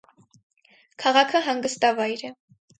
Քաղաքը հանգստավայր է։